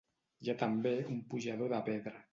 Hi ha també un pujador de pedra.